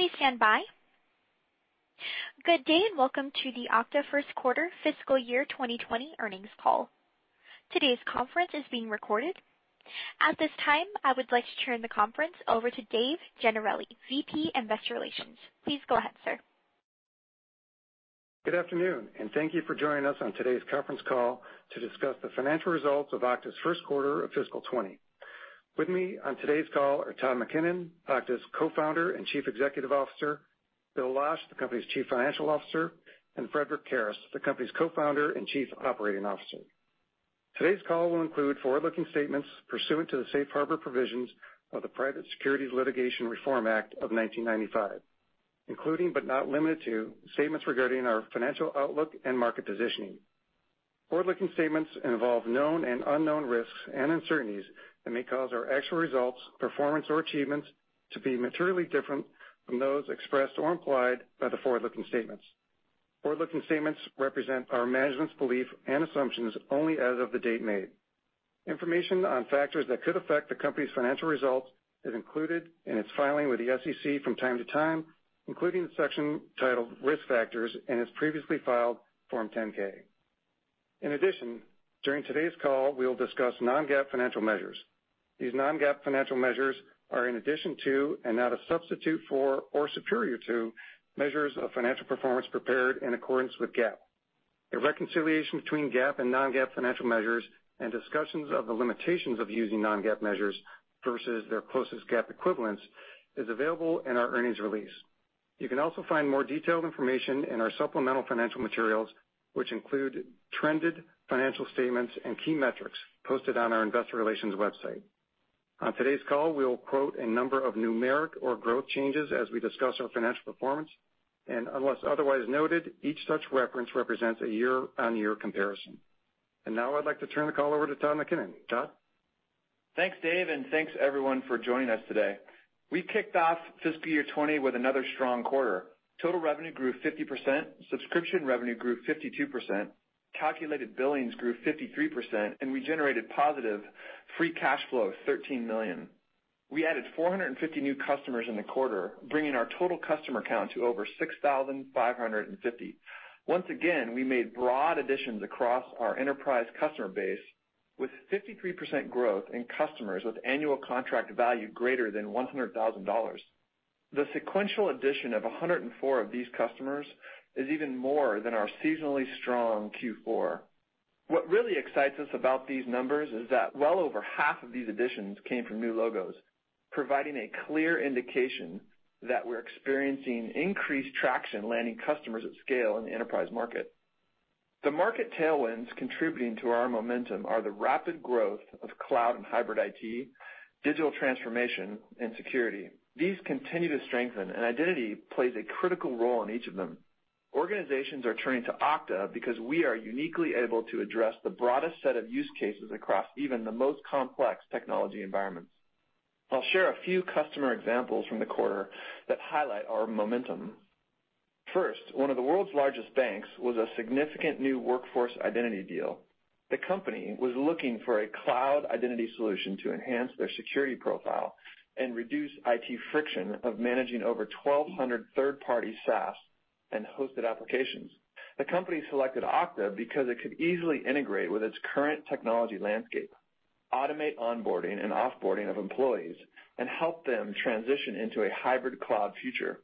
Please stand by. Good day, welcome to the Okta first quarter fiscal year 2020 earnings call. Today's conference is being recorded. At this time, I would like to turn the conference over to Dave Gennarelli, VP Investor Relations. Please go ahead, sir. Good afternoon, thank you for joining us on today's conference call to discuss the financial results of Okta's first quarter of fiscal 2020. With me on today's call are Todd McKinnon, Okta's Co-founder and Chief Executive Officer, Bill Losch, the company's Chief Financial Officer, and Frederic Kerrest, the company's Co-founder and Chief Operating Officer. Today's call will include forward-looking statements pursuant to the safe harbor provisions of the Private Securities Litigation Reform Act of 1995, including but not limited to statements regarding our financial outlook and market positioning. Forward-looking statements involve known and unknown risks and uncertainties that may cause our actual results, performance, or achievements to be materially different from those expressed or implied by the forward-looking statements. Forward-looking statements represent our management's belief and assumptions only as of the date made. Information on factors that could affect the company's financial results is included in its filing with the SEC from time to time, including the section titled Risk Factors in its previously filed Form 10-K. In addition, during today's call, we will discuss non-GAAP financial measures. These non-GAAP financial measures are in addition to and not a substitute for or superior to measures of financial performance prepared in accordance with GAAP. A reconciliation between GAAP and non-GAAP financial measures and discussions of the limitations of using non-GAAP measures versus their closest GAAP equivalents is available in our earnings release. You can also find more detailed information in our supplemental financial materials, which include trended financial statements and key metrics posted on our investor relations website. On today's call, we will quote a number of numeric or growth changes as we discuss our financial performance, unless otherwise noted, each such reference represents a year-on-year comparison. Now I'd like to turn the call over to Todd McKinnon. Todd? Thanks, Dave, and thanks, everyone, for joining us today. We kicked off fiscal year 2020 with another strong quarter. Total revenue grew 50%, subscription revenue grew 52%, calculated billings grew 53%, and we generated positive free cash flow of $13 million. We added 450 new customers in the quarter, bringing our total customer count to over 6,550. Once again, we made broad additions across our enterprise customer base with 53% growth in customers with annual contract value greater than $100,000. The sequential addition of 104 of these customers is even more than our seasonally strong Q4. What really excites us about these numbers is that well over half of these additions came from new logos, providing a clear indication that we're experiencing increased traction landing customers at scale in the enterprise market. The market tailwinds contributing to our momentum are the rapid growth of cloud and hybrid IT, digital transformation, and security. These continue to strengthen. Identity plays a critical role in each of them. Organizations are turning to Okta because we are uniquely able to address the broadest set of use cases across even the most complex technology environments. I'll share a few customer examples from the quarter that highlight our momentum. First, one of the world's largest banks was a significant new workforce identity deal. The company was looking for a cloud identity solution to enhance their security profile and reduce IT friction of managing over 1,200 third-party SaaS and hosted applications. The company selected Okta because it could easily integrate with its current technology landscape, automate onboarding and off-boarding of employees, and help them transition into a hybrid cloud future.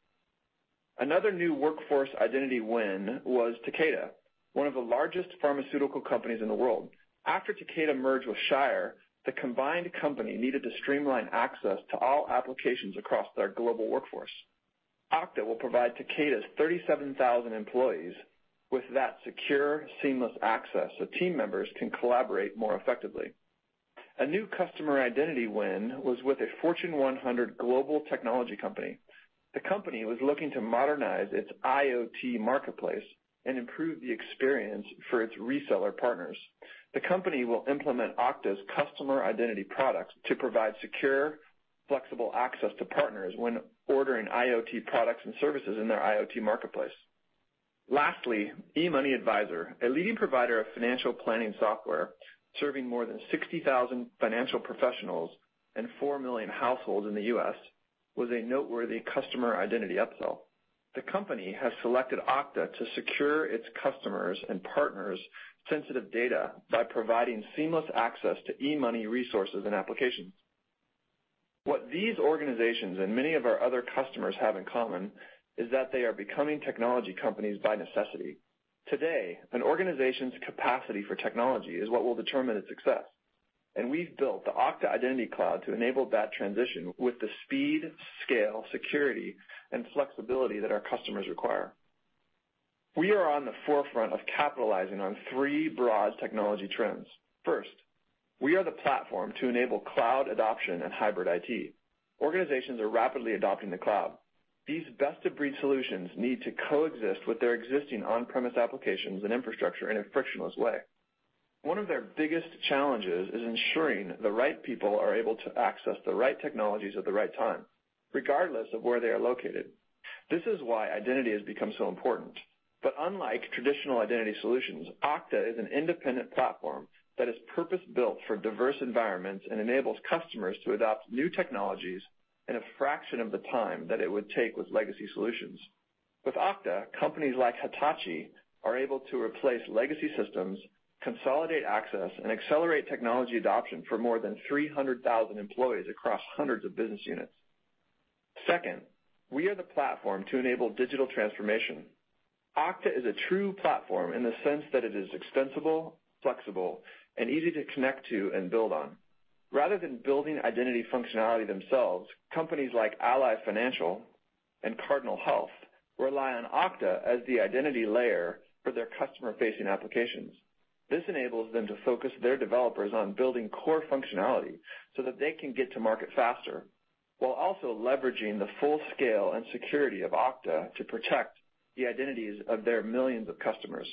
Another new workforce identity win was Takeda, one of the largest pharmaceutical companies in the world. After Takeda merged with Shire, the combined company needed to streamline access to all applications across their global workforce. Okta will provide Takeda's 37,000 employees with that secure, seamless access so team members can collaborate more effectively. A new customer identity win was with a Fortune 100 global technology company. The company was looking to modernize its IoT marketplace and improve the experience for its reseller partners. The company will implement Okta's customer identity products to provide secure, flexible access to partners when ordering IoT products and services in their IoT marketplace. Lastly, eMoney Advisor, a leading provider of financial planning software serving more than 60,000 financial professionals and four million households in the U.S., was a noteworthy customer identity upsell. The company has selected Okta to secure its customers' and partners' sensitive data by providing seamless access to eMoney resources and applications. What these organizations and many of our other customers have in common is that they are becoming technology companies by necessity. Today, an organization's capacity for technology is what will determine its success. We've built the Okta Identity Cloud to enable that transition with the speed, scale, security, and flexibility that our customers require. We are on the forefront of capitalizing on three broad technology trends. First, we are the platform to enable cloud adoption and hybrid IT. Organizations are rapidly adopting the cloud. These best-of-breed solutions need to coexist with their existing on-premise applications and infrastructure in a frictionless way. One of their biggest challenges is ensuring the right people are able to access the right technologies at the right time, regardless of where they are located. This is why identity has become so important. Unlike traditional identity solutions, Okta is an independent platform that is purpose-built for diverse environments and enables customers to adopt new technologies in a fraction of the time that it would take with legacy solutions. With Okta, companies like Hitachi are able to replace legacy systems, consolidate access, and accelerate technology adoption for more than 300,000 employees across hundreds of business units. Second, we are the platform to enable digital transformation. Okta is a true platform in the sense that it is extensible, flexible, and easy to connect to and build on. Rather than building identity functionality themselves, companies like Ally Financial and Cardinal Health rely on Okta as the identity layer for their customer-facing applications. This enables them to focus their developers on building core functionality so that they can get to market faster, while also leveraging the full scale and security of Okta to protect the identities of their millions of customers.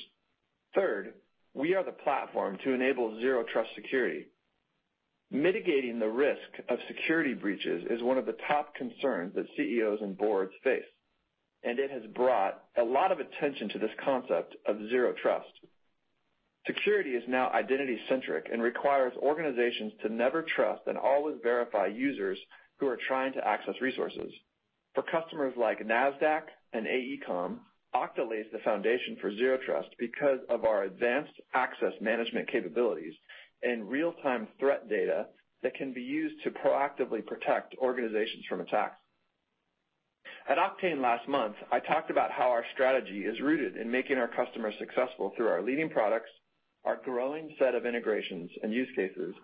Third, we are the platform to enable Zero Trust security. Mitigating the risk of security breaches is one of the top concerns that CEOs and boards face. It has brought a lot of attention to this concept of Zero Trust. Security is now identity-centric and requires organizations to never trust and always verify users who are trying to access resources. For customers like Nasdaq and AECOM, Okta lays the foundation for Zero Trust because of our advanced access management capabilities and real-time threat data that can be used to proactively protect organizations from attacks. At Oktane last month, I talked about how our strategy is rooted in making our customers successful through our leading products, our growing set of integrations and use cases,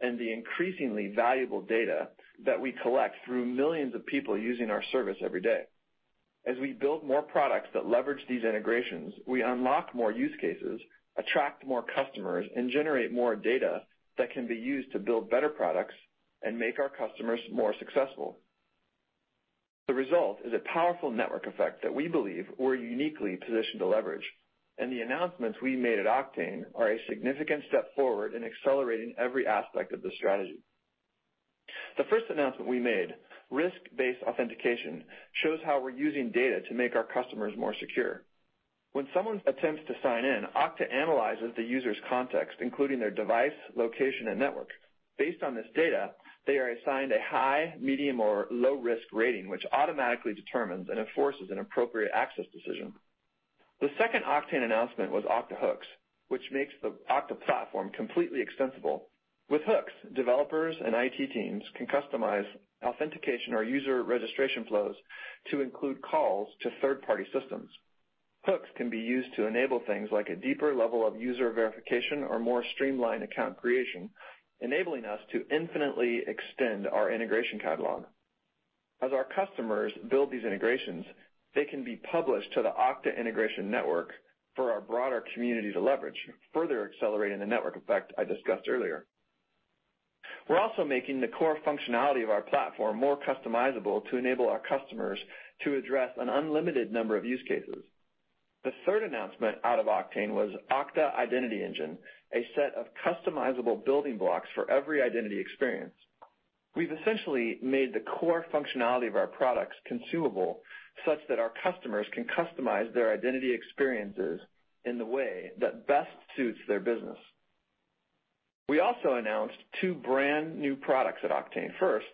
and the increasingly valuable data that we collect through millions of people using our service every day. As we build more products that leverage these integrations, we unlock more use cases, attract more customers, and generate more data that can be used to build better products and make our customers more successful. The result is a powerful network effect that we believe we're uniquely positioned to leverage. The announcements we made at Oktane are a significant step forward in accelerating every aspect of the strategy. The first announcement we made, Risk-based Authentication, shows how we're using data to make our customers more secure. When someone attempts to sign in, Okta analyzes the user's context, including their device, location, and network. Based on this data, they are assigned a high, medium, or low-risk rating, which automatically determines and enforces an appropriate access decision. The second Oktane announcement was Okta Hooks, which makes the Okta platform completely extensible. With Hooks, developers and IT teams can customize authentication or user registration flows to include calls to third-party systems. Hooks can be used to enable things like a deeper level of user verification or more streamlined account creation, enabling us to infinitely extend our integration catalog. As our customers build these integrations, they can be published to the Okta Integration Network for our broader community to leverage, further accelerating the network effect I discussed earlier. We're also making the core functionality of our platform more customizable to enable our customers to address an unlimited number of use cases. The third announcement out of Oktane was Okta Identity Engine, a set of customizable building blocks for every identity experience. We've essentially made the core functionality of our products consumable such that our customers can customize their identity experiences in the way that best suits their business. We also announced two brand-new products at Oktane. First,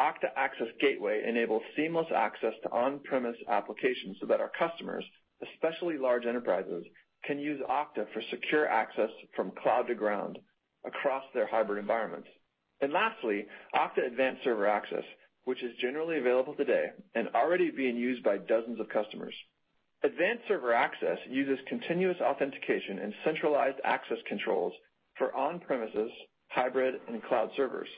Okta Access Gateway enables seamless access to on-premises applications so that our customers, especially large enterprises, can use Okta for secure access from cloud to ground across their hybrid environments. Lastly, Okta Advanced Server Access, which is generally available today and already being used by dozens of customers. Advanced Server Access uses continuous authentication and centralized access controls for on-premises, hybrid, and cloud servers.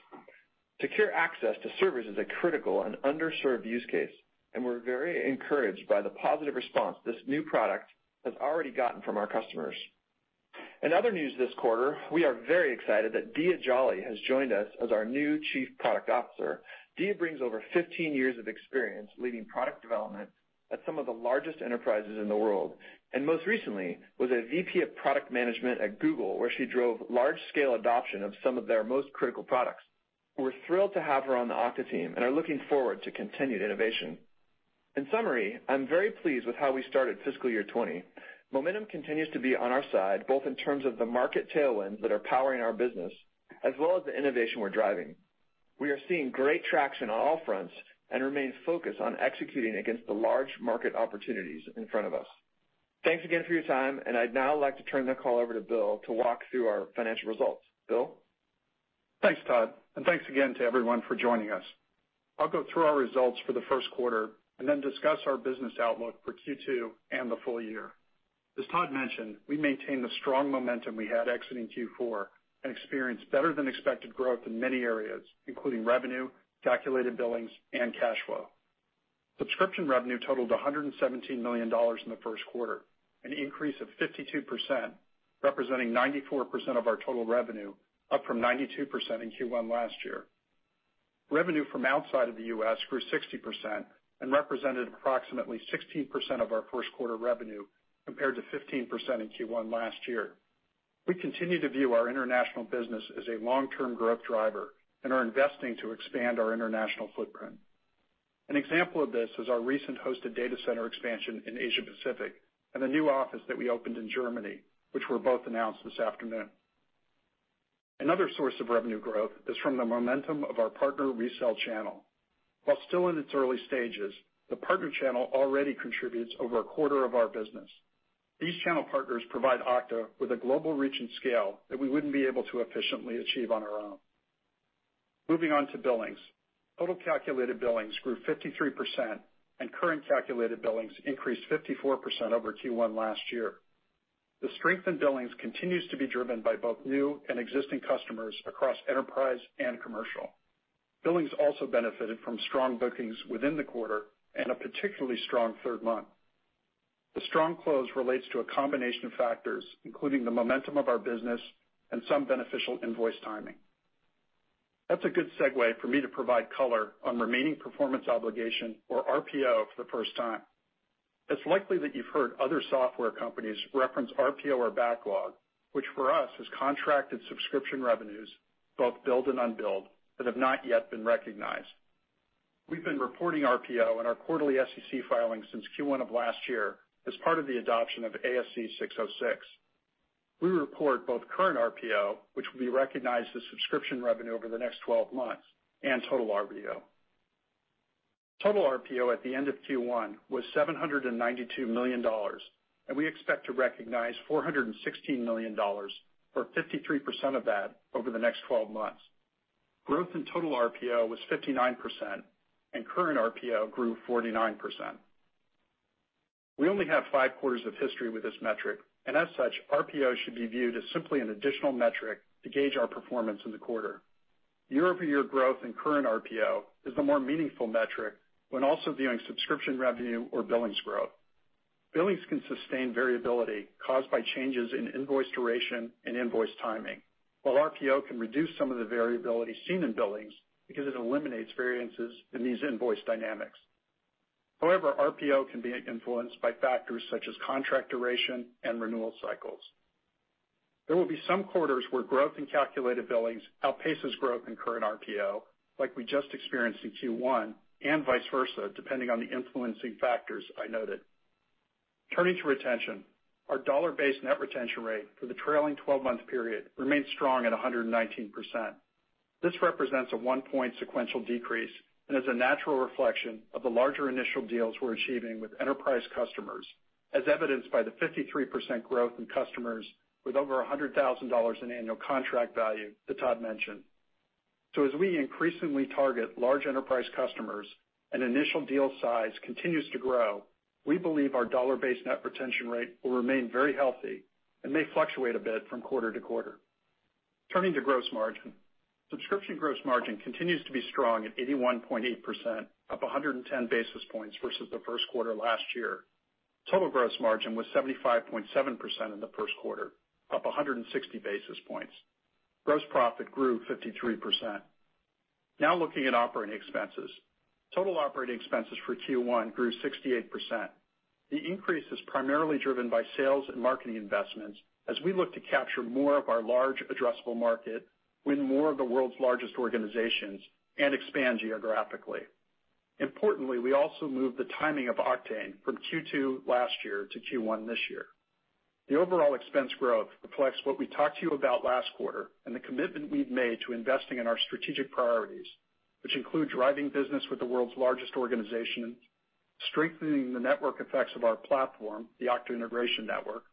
Secure access to servers is a critical and underserved use case, we're very encouraged by the positive response this new product has already gotten from our customers. In other news this quarter, we are very excited that Diya Jolly has joined us as our new chief product officer. Diya brings over 15 years of experience leading product development at some of the largest enterprises in the world. Most recently was a VP of product management at Google, where she drove large-scale adoption of some of their most critical products. We're thrilled to have her on the Okta team and are looking forward to continued innovation. In summary, I'm very pleased with how we started fiscal year 2020. Momentum continues to be on our side, both in terms of the market tailwinds that are powering our business as well as the innovation we're driving. We are seeing great traction on all fronts and remain focused on executing against the large market opportunities in front of us. Thanks again for your time, I'd now like to turn the call over to Bill to walk through our financial results. Bill? Thanks, Todd, thanks again to everyone for joining us. I'll go through our results for the first quarter and then discuss our business outlook for Q2 and the full year. As Todd mentioned, we maintained the strong momentum we had exiting Q4 and experienced better than expected growth in many areas, including revenue, calculated billings, and cash flow. Subscription revenue totaled $117 million in the first quarter, an increase of 52%, representing 94% of our total revenue, up from 92% in Q1 last year. Revenue from outside of the U.S. grew 60% and represented approximately 16% of our first quarter revenue, compared to 15% in Q1 last year. We continue to view our international business as a long-term growth driver and are investing to expand our international footprint. An example of this is our recent hosted data center expansion in Asia Pacific and the new office that we opened in Germany, which were both announced this afternoon. Another source of revenue growth is from the momentum of our partner resell channel. While still in its early stages, the partner channel already contributes over a quarter of our business. These channel partners provide Okta with a global reach and scale that we wouldn't be able to efficiently achieve on our own. Moving on to billings. Total calculated billings grew 53%, and current calculated billings increased 54% over Q1 last year. The strength in billings continues to be driven by both new and existing customers across enterprise and commercial. Billings also benefited from strong bookings within the quarter and a particularly strong third month. The strong close relates to a combination of factors, including the momentum of our business and some beneficial invoice timing. That's a good segue for me to provide color on remaining performance obligation or RPO for the first time. It's likely that you've heard other software companies reference RPO or backlog, which for us is contracted subscription revenues, both billed and unbilled, that have not yet been recognized. We've been reporting RPO in our quarterly SEC filings since Q1 of last year as part of the adoption of ASC 606. We report both current RPO, which will be recognized as subscription revenue over the next 12 months, and total RPO. Total RPO at the end of Q1 was $792 million, and we expect to recognize $416 million, or 53% of that, over the next 12 months. Growth in total RPO was 59%, and current RPO grew 49%. We only have five quarters of history with this metric, and as such, RPO should be viewed as simply an additional metric to gauge our performance in the quarter. Year-over-year growth in current RPO is the more meaningful metric when also viewing subscription revenue or billings growth. Billings can sustain variability caused by changes in invoice duration and invoice timing, while RPO can reduce some of the variability seen in billings because it eliminates variances in these invoice dynamics. However, RPO can be influenced by factors such as contract duration and renewal cycles. There will be some quarters where growth in calculated billings outpaces growth in current RPO, like we just experienced in Q1, and vice versa, depending on the influencing factors I noted. Turning to retention. Our dollar-based net retention rate for the trailing 12-month period remains strong at 119%. This represents a one-point sequential decrease and is a natural reflection of the larger initial deals we're achieving with enterprise customers, as evidenced by the 53% growth in customers with over $100,000 in annual contract value that Todd mentioned. As we increasingly target large enterprise customers, an initial deal size continues to grow, we believe our dollar-based net retention rate will remain very healthy and may fluctuate a bit from quarter to quarter. Turning to gross margin. Subscription gross margin continues to be strong at 81.8%, up 110 basis points versus the first quarter last year. Total gross margin was 75.7% in the first quarter, up 160 basis points. Gross profit grew 53%. Now looking at operating expenses. Total operating expenses for Q1 grew 68%. The increase is primarily driven by sales and marketing investments as we look to capture more of our large addressable market, win more of the world's largest organizations, and expand geographically. Importantly, we also moved the timing of Oktane from Q2 last year to Q1 this year. The overall expense growth reflects what we talked to you about last quarter and the commitment we've made to investing in our strategic priorities, which include driving business with the world's largest organizations, strengthening the network effects of our platform, the Okta Integration Network,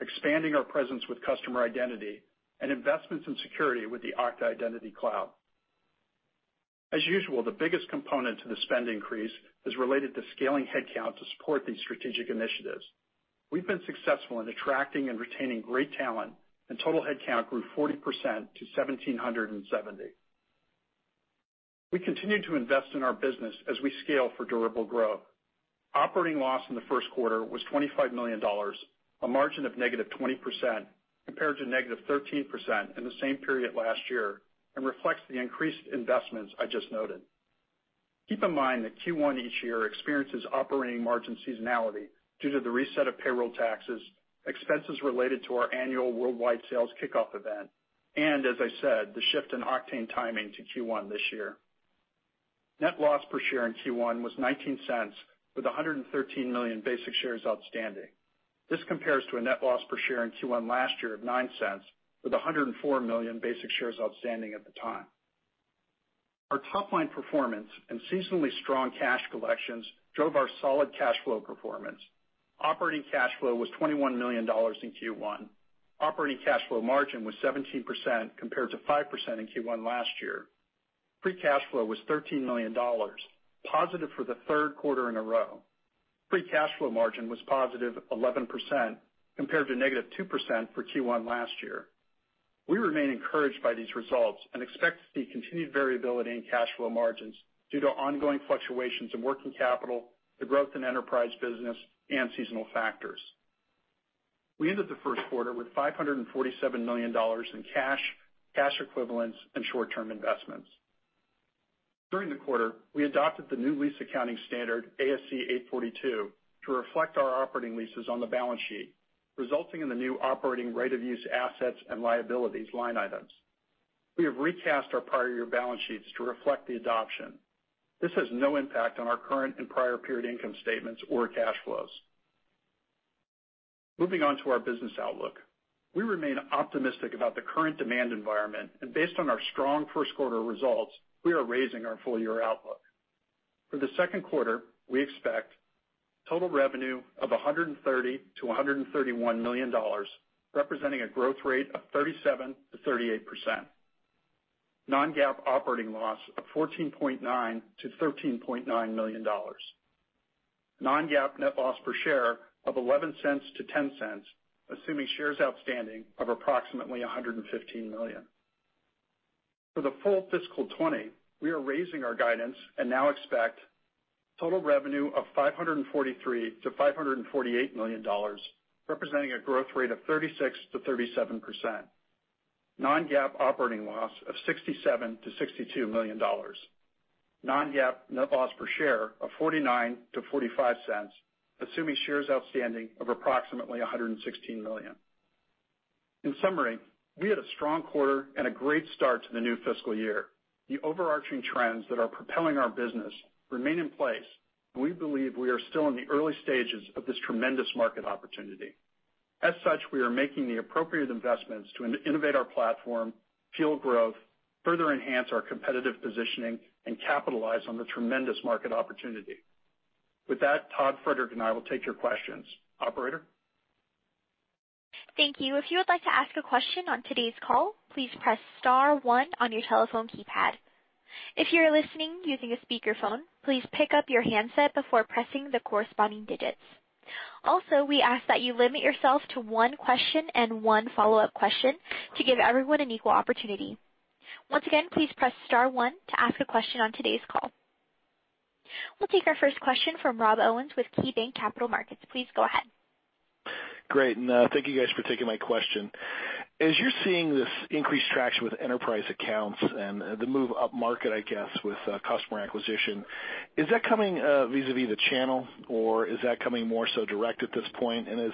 expanding our presence with customer identity, and investments in security with the Okta Identity Cloud. As usual, the biggest component to the spend increase is related to scaling headcount to support these strategic initiatives. We've been successful in attracting and retaining great talent, and total headcount grew 40% to 1,770. We continue to invest in our business as we scale for durable growth. Operating loss in the first quarter was $25 million, a margin of -20%, compared to -13% in the same period last year and reflects the increased investments I just noted. Keep in mind that Q1 each year experiences operating margin seasonality due to the reset of payroll taxes, expenses related to our annual worldwide sales kickoff event, and, as I said, the shift in Oktane timing to Q1 this year. Net loss per share in Q1 was $0.19, with 113 million basic shares outstanding. This compares to a net loss per share in Q1 last year of $0.09, with 104 million basic shares outstanding at the time. Our top-line performance and seasonally strong cash collections drove our solid cash flow performance. Operating cash flow was $21 million in Q1. Operating cash flow margin was 17%, compared to 5% in Q1 last year. Free cash flow was $13 million, positive for the third quarter in a row. Free cash flow margin was positive 11%, compared to -2% for Q1 last year. We remain encouraged by these results and expect to see continued variability in cash flow margins due to ongoing fluctuations in working capital, the growth in enterprise business, and seasonal factors. We ended the first quarter with $547 million in cash equivalents, and short-term investments. During the quarter, we adopted the new lease accounting standard, ASC 842, to reflect our operating leases on the balance sheet, resulting in the new operating right-of-use assets and liabilities line items. We have recast our prior year balance sheets to reflect the adoption. This has no impact on our current and prior period income statements or cash flows. Moving on to our business outlook. We remain optimistic about the current demand environment, and based on our strong first quarter results, we are raising our full-year outlook. For the second quarter, we expect total revenue of $130 million-$131 million, representing a growth rate of 37%-38%. Non-GAAP operating loss of $14.9 million-$13.9 million. Non-GAAP net loss per share of $0.11-$0.10, assuming shares outstanding of approximately 115 million. For the full fiscal 2020, we are raising our guidance and now expect total revenue of $543 million-$548 million, representing a growth rate of 36%-37%. Non-GAAP operating loss of $67 million-$62 million. Non-GAAP net loss per share of $0.49-$0.45, assuming shares outstanding of approximately 116 million. In summary, we had a strong quarter and a great start to the new fiscal year. The overarching trends that are propelling our business remain in place. We believe we are still in the early stages of this tremendous market opportunity. As such, we are making the appropriate investments to innovate our platform, fuel growth, further enhance our competitive positioning, capitalize on the tremendous market opportunity. With that, Todd, Frederic, and I will take your questions. Operator? Thank you. If you would like to ask a question on today's call, please press star one on your telephone keypad. If you are listening using a speakerphone, please pick up your handset before pressing the corresponding digits. We ask that you limit yourself to one question and one follow-up question to give everyone an equal opportunity. Once again, please press star one to ask a question on today's call. We'll take our first question from Rob Owens with KeyBanc Capital Markets. Please go ahead. Great, thank you guys for taking my question. As you're seeing this increased traction with enterprise accounts, the move upmarket, I guess, with customer acquisition, is that coming vis-a-vis the channel, is that coming more so direct at this point? As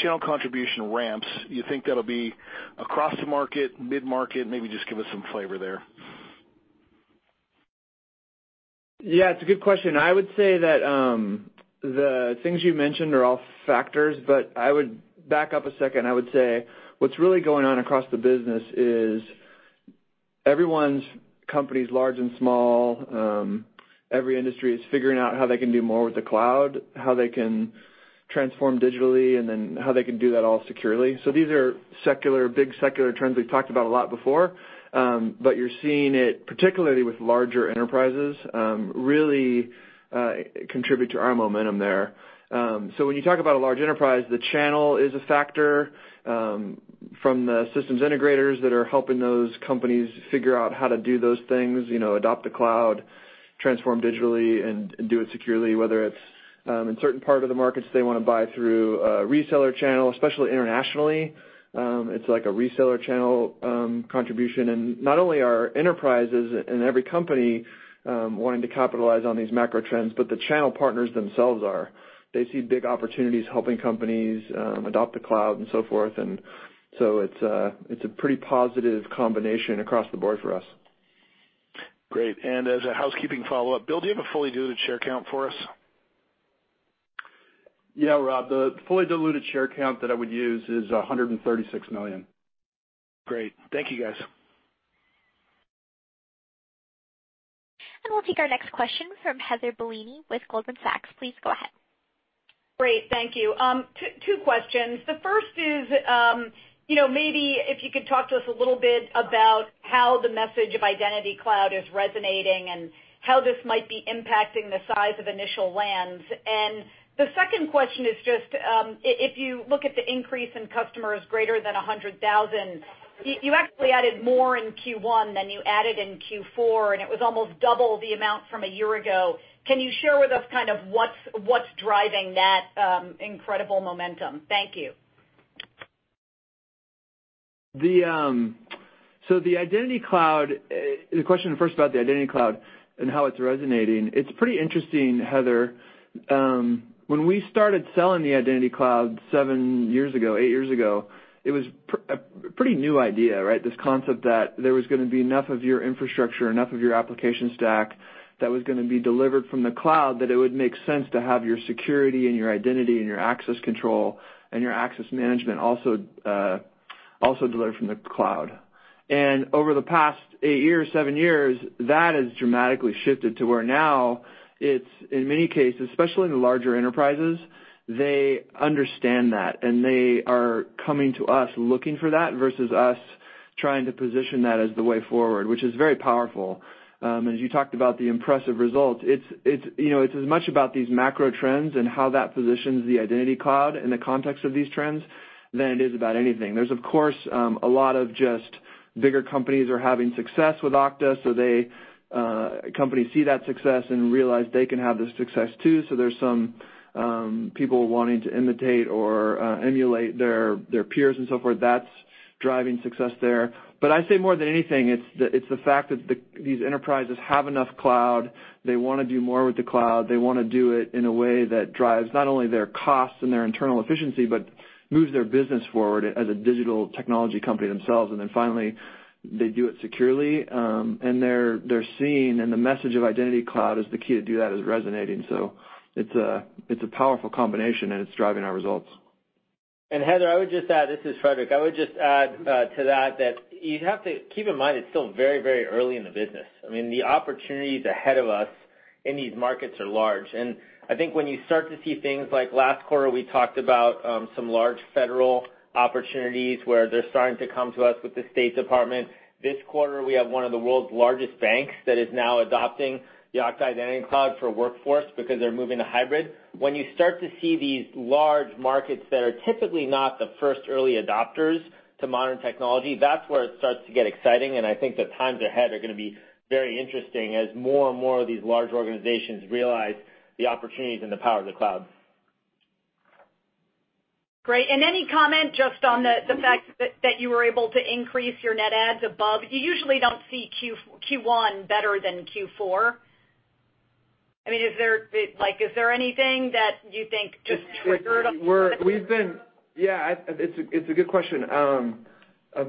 channel contribution ramps, you think that'll be across the market, mid-market? Maybe just give us some flavor there. Yeah, it's a good question. I would say that the things you mentioned are all factors. I would back up a second. I would say what's really going on across the business is everyone's companies, large and small, every industry is figuring out how they can do more with the cloud, how they can transform digitally, how they can do that all securely. These are big secular trends we've talked about a lot before. You're seeing it, particularly with larger enterprises, really contribute to our momentum there. When you talk about a large enterprise, the channel is a factor from the systems integrators that are helping those companies figure out how to do those things, adopt the cloud, transform digitally, and do it securely. Whether it's in certain part of the markets they want to buy through a reseller channel, especially internationally. It's like a reseller channel contribution. Not only are enterprises and every company wanting to capitalize on these macro trends, but the channel partners themselves are. They see big opportunities helping companies adopt the cloud and so forth. It's a pretty positive combination across the board for us. Great. As a housekeeping follow-up, Bill, do you have a fully diluted share count for us? Yeah, Rob. The fully diluted share count that I would use is 136 million. Great. Thank you, guys. We'll take our next question from Heather Bellini with Goldman Sachs. Please go ahead. Great, thank you. Two questions. The first is maybe if you could talk to us a little bit about how the message of Identity Cloud is resonating and how this might be impacting the size of initial lands. The second question is just if you look at the increase in customers greater than 100,000, you actually added more in Q1 than you added in Q4, and it was almost double the amount from a year ago. Can you share with us what's driving that incredible momentum? Thank you. The question first about the Identity Cloud and how it's resonating. It's pretty interesting, Heather. When we started selling the Identity Cloud seven years ago, eight years ago, it was a pretty new idea, right? This concept that there was going to be enough of your infrastructure, enough of your application stack that was going to be delivered from the cloud that it would make sense to have your security and your identity and your access control and your access management also delivered from the cloud. Over the past eight years, seven years, that has dramatically shifted to where now it's, in many cases, especially in the larger enterprises, they understand that, and they are coming to us looking for that versus us trying to position that as the way forward, which is very powerful. As you talked about the impressive results, it's as much about these macro trends and how that positions the Identity Cloud in the context of these trends than it is about anything. There's of course, a lot of just bigger companies are having success with Okta, companies see that success and realize they can have the success too. There's some people wanting to imitate or emulate their peers and so forth. That's driving success there. I say more than anything, it's the fact that these enterprises have enough cloud. They want to do more with the cloud. They want to do it in a way that drives not only their costs and their internal efficiency, but moves their business forward as a digital technology company themselves. Then finally, they do it securely. They're seen, the message of Identity Cloud as the key to do that is resonating. It's a powerful combination, and it's driving our results. Heather, this is Frederic, I would just add to that you have to keep in mind it's still very early in the business. I mean, the opportunities ahead of us in these markets are large. I think when you start to see things like last quarter, we talked about some large federal opportunities where they're starting to come to us with the State Department. This quarter, we have one of the world's largest banks that is now adopting the Okta Identity Cloud for workforce because they're moving to hybrid. You start to see these large markets that are typically not the first early adopters to modern technology, that's where it starts to get exciting. I think the times ahead are going to be very interesting as more and more of these large organizations realize the opportunities and the power of the cloud. Great. Any comment just on the fact that you were able to increase your net adds above? You usually don't see Q1 better than Q4. I mean, is there anything that you think just triggered Yeah, it's a good question.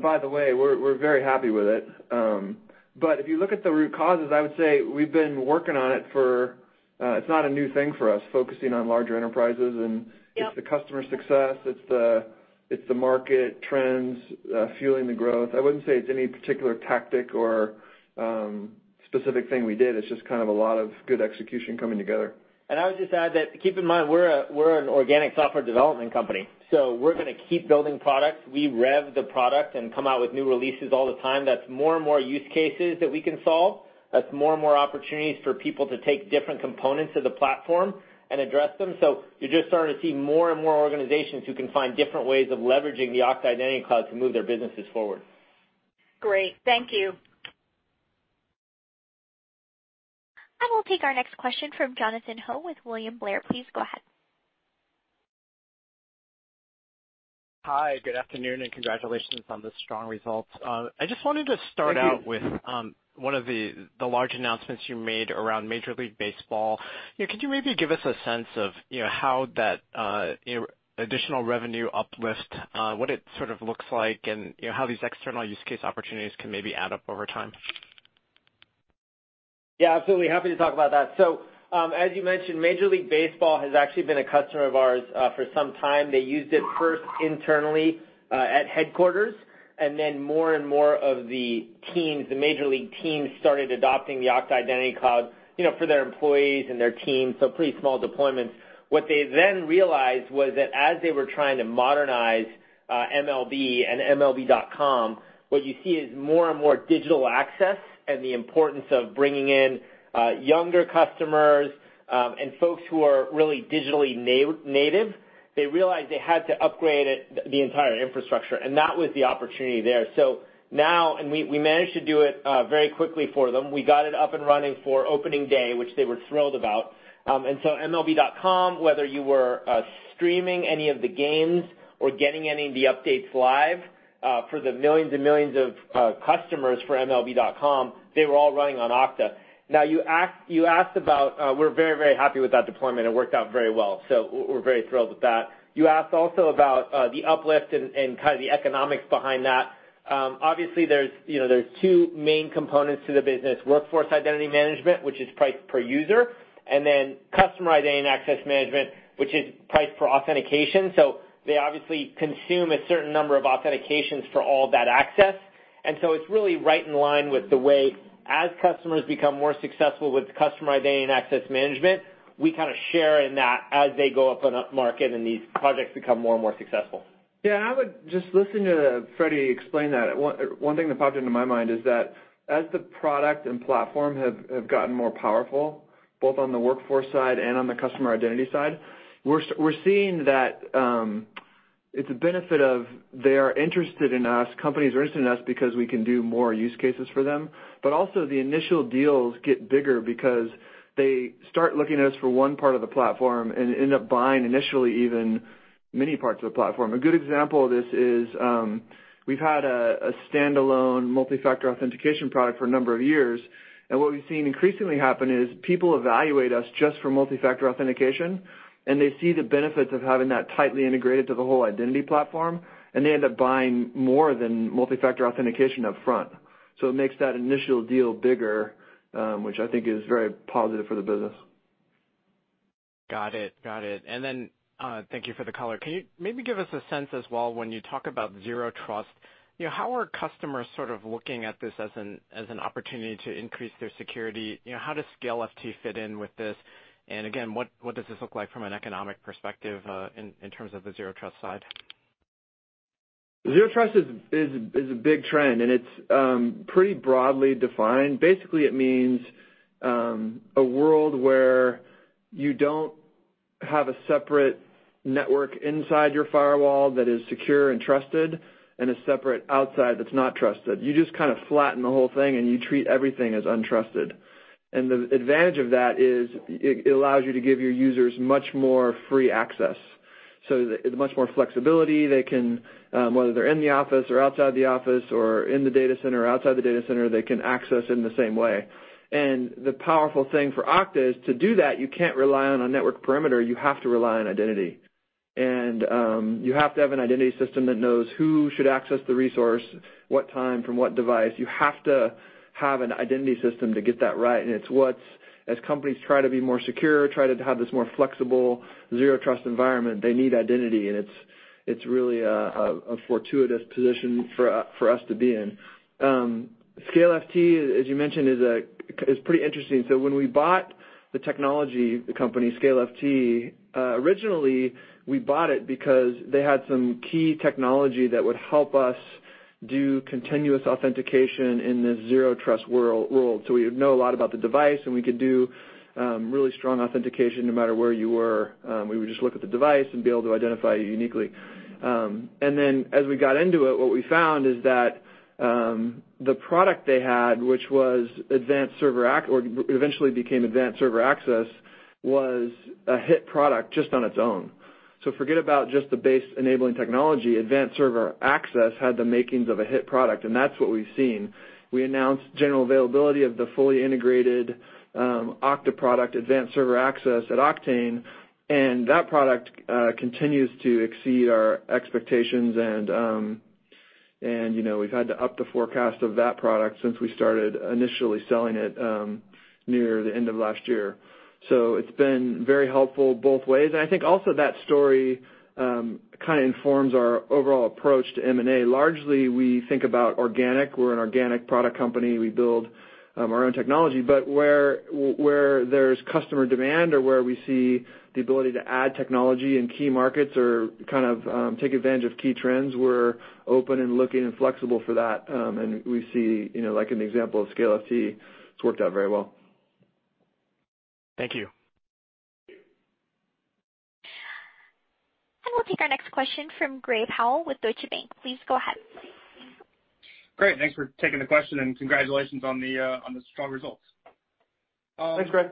By the way, we're very happy with it. If you look at the root causes, I would say we've been working on it for It's not a new thing for us, focusing on larger enterprises and- Yep It's the customer success, it's the market trends fueling the growth. I wouldn't say it's any particular tactic or specific thing we did. It's just kind of a lot of good execution coming together. I would just add that, keep in mind, we're an organic software development company, we're going to keep building products. We rev the product and come out with new releases all the time. That's more and more use cases that we can solve. That's more and more opportunities for people to take different components of the platform and address them. You're just starting to see more and more organizations who can find different ways of leveraging the Okta Identity Cloud to move their businesses forward. Great. Thank you. I will take our next question from Jonathan Ho with William Blair. Please go ahead. Hi, good afternoon. Congratulations on the strong results. I just wanted to start out. Thank you. with one of the large announcements you made around Major League Baseball. Could you maybe give us a sense of how that additional revenue uplift, what it sort of looks like, and how these external use case opportunities can maybe add up over time? Yeah, absolutely. Happy to talk about that. As you mentioned, Major League Baseball has actually been a customer of ours for some time. They used it first internally at headquarters, and then more and more of the Major League teams started adopting the Okta Identity Cloud for their employees and their teams, so pretty small deployments. What they then realized was that as they were trying to modernize MLB and mlb.com, what you see is more and more digital access and the importance of bringing in younger customers, and folks who are really digitally native. They realized they had to upgrade the entire infrastructure, and that was the opportunity there. We managed to do it very quickly for them. We got it up and running for opening day, which they were thrilled about. mlb.com, whether you were streaming any of the games or getting any of the updates live for the millions and millions of customers for mlb.com, they were all running on Okta. We're very happy with that deployment. It worked out very well, we're very thrilled with that. You asked also about the uplift and kind of the economics behind that. Obviously, there's two main components to the business, workforce identity management, which is priced per user, and then customer identity and access management, which is priced for authentication. They obviously consume a certain number of authentications for all that access. It's really right in line with the way as customers become more successful with customer identity and access management, we kind of share in that as they go up on upmarket and these projects become more and more successful. I would just listen to Frederic explain that. One thing that popped into my mind is that as the product and platform have gotten more powerful, both on the workforce side and on the customer identity side, we're seeing that it's a benefit of companies are interested in us because we can do more use cases for them. Also the initial deals get bigger because they start looking at us for one part of the platform and end up buying initially even many parts of the platform. A good example of this is, we've had a standalone multi-factor authentication product for a number of years, and what we've seen increasingly happen is people evaluate us just for multi-factor authentication, and they see the benefits of having that tightly integrated to the whole identity platform, and they end up buying more than multi-factor authentication up front. It makes that initial deal bigger, which I think is very positive for the business. Got it. Thank you for the color. Can you maybe give us a sense as well when you talk about Zero Trust, how are customers sort of looking at this as an opportunity to increase their security? How does ScaleFT fit in with this? Again, what does this look like from an economic perspective in terms of the Zero Trust side? Zero Trust is a big trend, it's pretty broadly defined. Basically, it means a world where you don't have a separate network inside your firewall that is secure and trusted and a separate outside that's not trusted. You just kind of flatten the whole thing, and you treat everything as untrusted. The advantage of that is it allows you to give your users much more free access. So much more flexibility. They can, whether they're in the office or outside the office or in the data center or outside the data center, they can access it in the same way. The powerful thing for Okta is, to do that, you can't rely on a network perimeter, you have to rely on identity. You have to have an identity system that knows who should access the resource, what time, from what device. You have to have an identity system to get that right. It's what's, as companies try to be more secure, try to have this more flexible, Zero Trust environment, they need identity, and it's really a fortuitous position for us to be in. ScaleFT, as you mentioned, is pretty interesting. When we bought the technology, the company ScaleFT, originally, we bought it because they had some key technology that would help us do continuous authentication in this Zero Trust world. We would know a lot about the device, and we could do really strong authentication no matter where you were. We would just look at the device and be able to identify you uniquely. As we got into it, what we found is that the product they had, which was Advanced Server Access, or eventually became Advanced Server Access, was a hit product just on its own. Forget about just the base enabling technology. Advanced Server Access had the makings of a hit product, and that's what we've seen. We announced general availability of the fully integrated Okta product, Advanced Server Access, at Oktane, that product continues to exceed our expectations and we've had to up the forecast of that product since we started initially selling it near the end of last year. It's been very helpful both ways. I think also that story kind of informs our overall approach to M&A. Largely, we think about organic. We're an organic product company. We build our own technology. Where there's customer demand or where we see the ability to add technology in key markets or kind of take advantage of key trends, we're open and looking and flexible for that, and we see, like in the example of ScaleFT, it's worked out very well. Thank you. We'll take our next question from Gray Powell with Deutsche Bank. Please go ahead. Great. Thanks for taking the question and congratulations on the strong results. Thanks, Gray.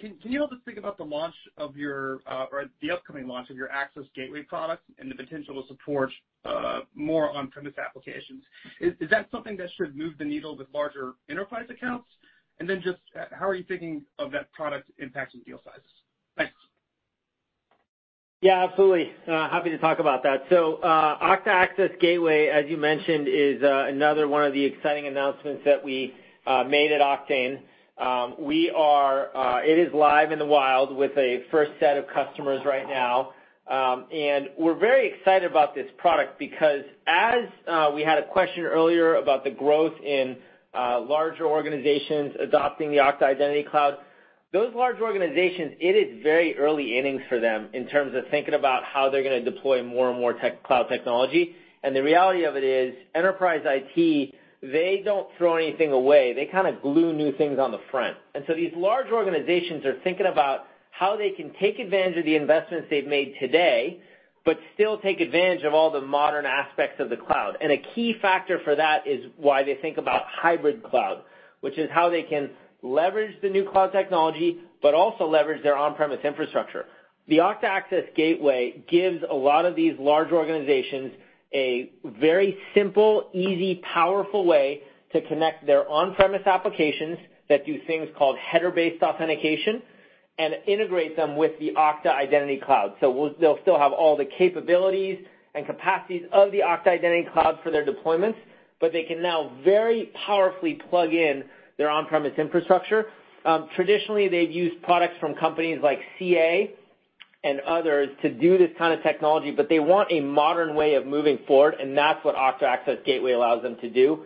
Can you help us think about the launch of your, or the upcoming launch of your Okta Access Gateway product and the potential to support more on-premises applications? Is that something that should move the needle with larger enterprise accounts? Just how are you thinking of that product impacting deal size? Thanks. Yeah, absolutely. Happy to talk about that. Okta Access Gateway, as you mentioned, is another one of the exciting announcements that we made at Oktane. It is live in the wild with a first set of customers right now. We're very excited about this product because as we had a question earlier about the growth in larger organizations adopting the Okta Identity Cloud, those large organizations, it is very early innings for them in terms of thinking about how they're going to deploy more and more tech cloud technology. The reality of it is, enterprise IT, they don't throw anything away. They kind of glue new things on the front. These large organizations are thinking about how they can take advantage of the investments they've made today, but still take advantage of all the modern aspects of the cloud. A key factor for that is why they think about hybrid cloud, which is how they can leverage the new cloud technology, but also leverage their on-premises infrastructure. The Okta Access Gateway gives a lot of these large organizations a very simple, easy, powerful way to connect their on-premises applications that do things called header-based authentication and integrate them with the Okta Identity Cloud. They'll still have all the capabilities and capacities of the Okta Identity Cloud for their deployments, but they can now very powerfully plug in their on-premises infrastructure. Traditionally, they've used products from companies like CA and others to do this kind of technology, but they want a modern way of moving forward, and that's what Okta Access Gateway allows them to do.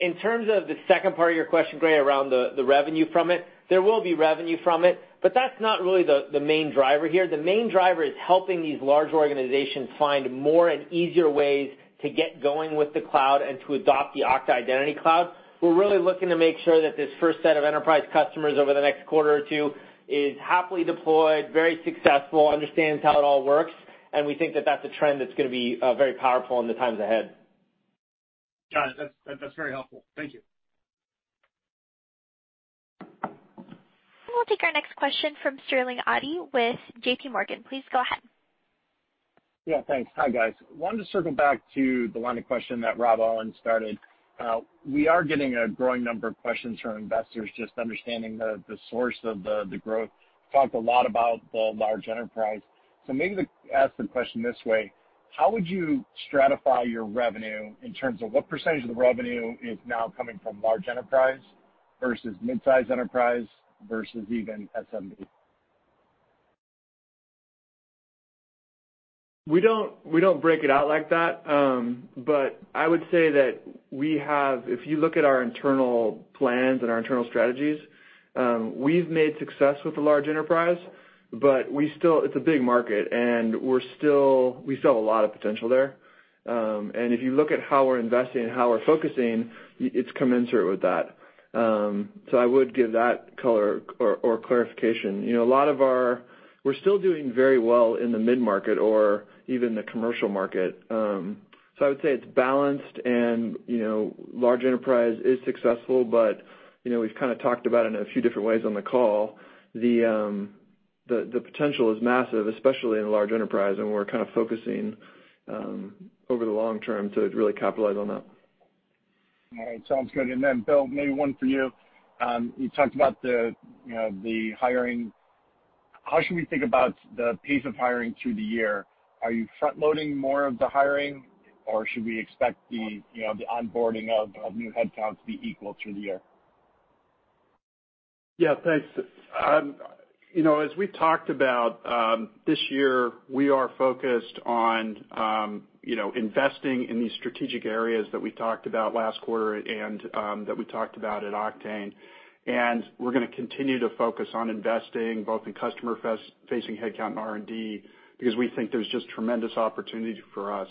In terms of the second part of your question, Gray, around the revenue from it, there will be revenue from it, but that's not really the main driver here. The main driver is helping these large organizations find more and easier ways to get going with the cloud and to adopt the Okta Identity Cloud. We're really looking to make sure that this first set of enterprise customers over the next quarter or two is happily deployed, very successful, understands how it all works. We think that that's a trend that's going to be very powerful in the times ahead. Got it. That's very helpful. Thank you. We'll take our next question from Sterling Auty with JPMorgan. Please go ahead. Yeah, thanks. Hi, guys. Wanted to circle back to the line of questioning that Rob Owens started. We are getting a growing number of questions from investors just understanding the source of the growth. Talked a lot about the large enterprise. Maybe to ask the question this way, how would you stratify your revenue in terms of what % of the revenue is now coming from large enterprise versus mid-size enterprise versus even SMB? We don't break it out like that. I would say that we have, if you look at our internal plans and our internal strategies, we've made success with the large enterprise, but it's a big market, we still have a lot of potential there. If you look at how we're investing and how we're focusing, it's commensurate with that. I would give that color or clarification. We're still doing very well in the mid-market or even the commercial market. I would say it's balanced and large enterprise is successful, but we've talked about it in a few different ways on the call. The potential is massive, especially in large enterprise, we're focusing over the long term to really capitalize on that. All right. Sounds good. Bill, maybe one for you. You talked about the hiring. How should we think about the pace of hiring through the year? Are you front-loading more of the hiring, or should we expect the onboarding of new headcount to be equal through the year? Yeah, thanks. As we talked about, this year, we are focused on investing in these strategic areas that we talked about last quarter and that we talked about at Oktane. We're going to continue to focus on investing both in customer-facing headcount and R&D, because we think there's just tremendous opportunity for us.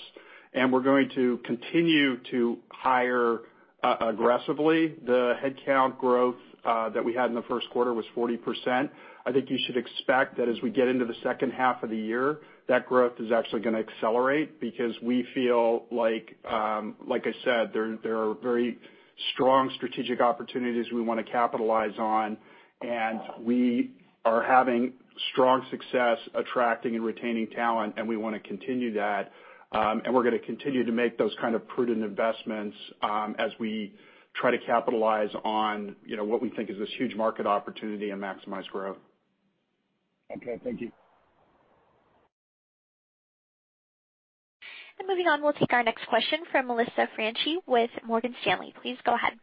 We're going to continue to hire aggressively. The headcount growth that we had in the first quarter was 40%. I think you should expect that as we get into the second half of the year, that growth is actually going to accelerate because we feel like I said, there are very strong strategic opportunities we want to capitalize on, and we are having strong success attracting and retaining talent, and we want to continue that. We're going to continue to make those kind of prudent investments as we try to capitalize on what we think is this huge market opportunity and maximize growth. Okay. Thank you. Moving on, we'll take our next question from Melissa Franchi with Morgan Stanley. Please go ahead.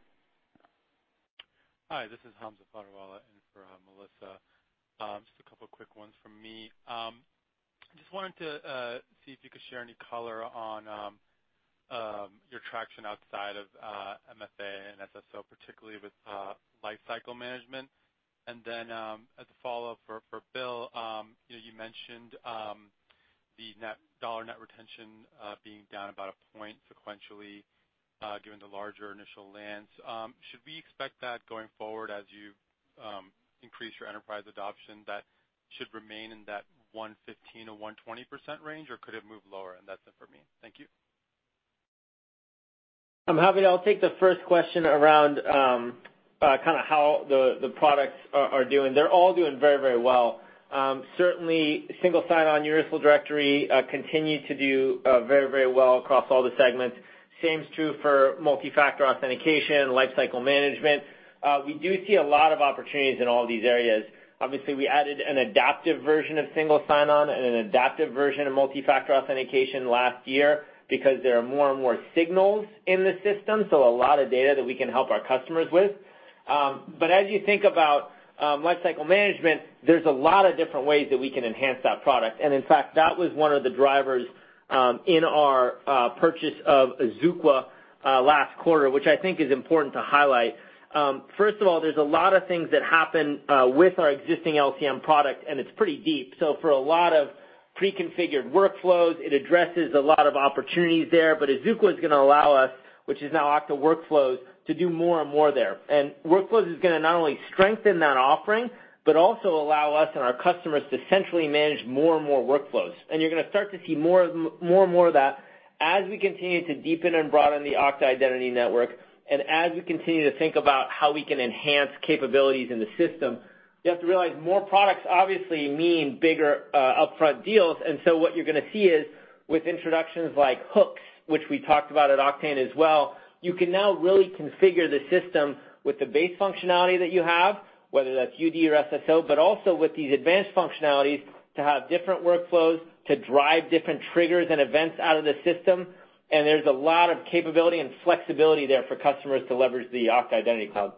Hi, this is Hamza Fodderwala in for Melissa. Just a couple quick ones from me. I just wanted to see if you could share any color on your traction outside of MFA and SSO, particularly with Lifecycle Management. Then as a follow-up for Bill, you mentioned the dollar net retention being down about 1 point sequentially, given the larger initial lands. Should we expect that going forward as you increase your enterprise adoption, that should remain in that 115% or 120% range, or could it move lower? That's it for me. Thank you. Hamza, I'll take the first question around how the products are doing. They're all doing very well. Certainly, Single Sign-On Universal Directory continued to do very well across all the segments. Same is true for Multi-Factor Authentication, Lifecycle Management. We do see a lot of opportunities in all these areas. Obviously, we added an adaptive version of Single Sign-On and an adaptive version of Multi-Factor Authentication last year because there are more and more signals in the system, so a lot of data that we can help our customers with. As you think about Lifecycle Management, there's a lot of different ways that we can enhance that product. In fact, that was one of the drivers in our purchase of Azuqua last quarter, which I think is important to highlight. First of all, there's a lot of things that happen with our existing LCM product, and it's pretty deep. For a lot of pre-configured workflows, it addresses a lot of opportunities there. Azuqua is going to allow us, which is now Okta Workflows, to do more and more there. Workflows is going to not only strengthen that offering, but also allow us and our customers to centrally manage more and more workflows. You're going to start to see more and more of that as we continue to deepen and broaden the Okta Identity Network and as we continue to think about how we can enhance capabilities in the system. You have to realize more products obviously mean bigger upfront deals. What you're going to see is with introductions like hooks, which we talked about at Oktane as well, you can now really configure the system with the base functionality that you have, whether that's UD or SSO, but also with these advanced functionalities to have different workflows to drive different triggers and events out of the system. There's a lot of capability and flexibility there for customers to leverage the Okta Identity Cloud.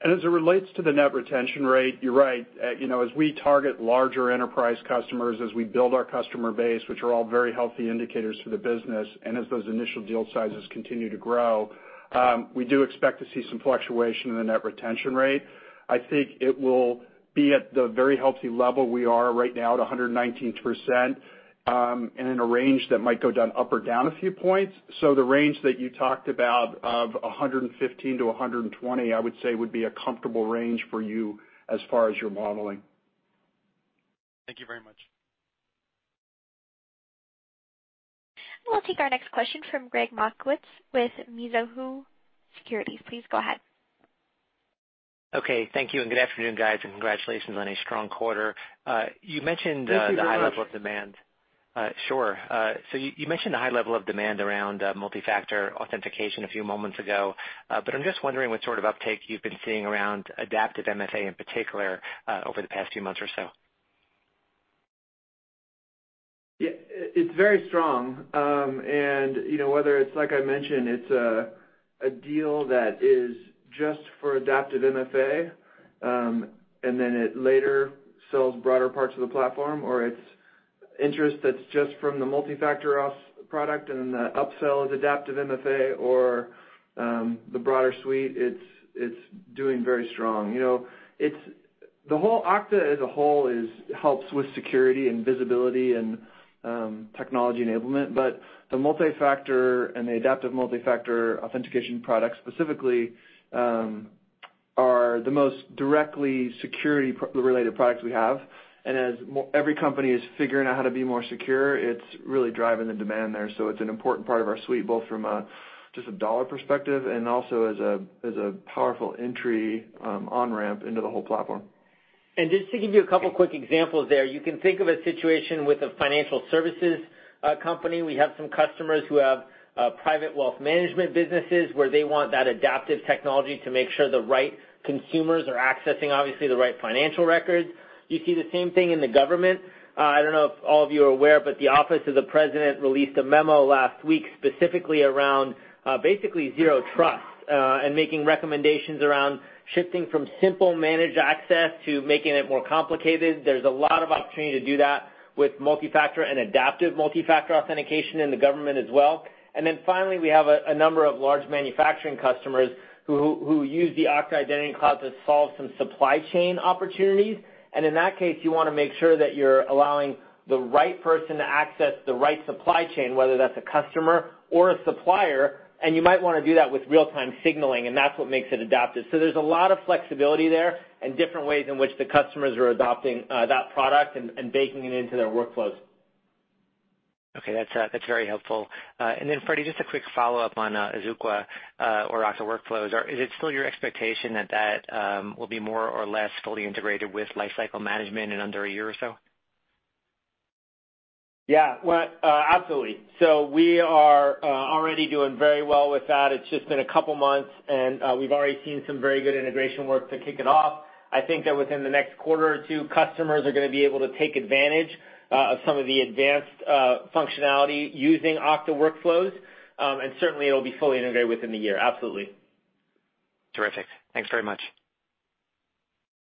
As it relates to the net retention rate, you're right. As we target larger enterprise customers, as we build our customer base, which are all very healthy indicators for the business, as those initial deal sizes continue to grow, we do expect to see some fluctuation in the net retention rate. I think it will be at the very healthy level we are right now at 119%, in a range that might go up or down a few points. The range that you talked about of 115%-120%, I would say would be a comfortable range for you as far as your modeling. Thank you very much. We'll take our next question from Gregg Moskowitz with Mizuho Securities. Please go ahead. Okay. Thank you. Good afternoon, guys. Congratulations on a strong quarter. Thank you very much. Sure. You mentioned the high level of demand around Multi-Factor Authentication a few moments ago. I'm just wondering what sort of uptake you've been seeing around Adaptive MFA in particular over the past few months or so. Yeah. It's very strong. Whether it's like I mentioned, it's a deal that is just for Adaptive MFA, and then it later sells broader parts of the platform, or it's interest that's just from the Multi-Factor Auth product and then the upsell is Adaptive MFA or the broader suite, it's doing very strong. Okta as a whole helps with security and visibility and technology enablement. The Multi-Factor and the Adaptive Multi-Factor Authentication product specifically are the most directly security-related products we have. As every company is figuring out how to be more secure, it's really driving the demand there. It's an important part of our suite, both from just a dollar perspective and also as a powerful entry on-ramp into the whole platform. Just to give you a couple of quick examples there, you can think of a situation with a financial services company. We have some customers who have private wealth management businesses where they want that adaptive technology to make sure the right consumers are accessing, obviously, the right financial records. You see the same thing in the government. I don't know if all of you are aware, but the Office of the President released a memo last week, specifically around basically Zero Trust, and making recommendations around shifting from simple managed access to making it more complicated. There's a lot of opportunity to do that with multi-factor and Adaptive Multi-Factor Authentication in the government as well. Finally, we have a number of large manufacturing customers who use the Okta Identity Cloud to solve some supply chain opportunities. In that case, you want to make sure that you're allowing the right person to access the right supply chain, whether that's a customer or a supplier, and you might want to do that with real-time signaling, and that's what makes it adaptive. There's a lot of flexibility there and different ways in which the customers are adopting that product and baking it into their workflows. Okay, that's very helpful. Freddy, just a quick follow-up on Azuqua or Okta Workflows. Is it still your expectation that that will be more or less fully integrated with Lifecycle Management in under a year or so? Yeah. Well, absolutely. We are already doing very well with that. It's just been a couple of months, and we've already seen some very good integration work to kick it off. I think that within the next quarter or two, customers are going to be able to take advantage of some of the advanced functionality using Okta Workflows. Certainly, it'll be fully integrated within the year. Absolutely. Terrific. Thanks very much.